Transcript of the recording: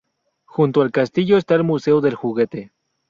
Junto al castillo está es museo del juguete.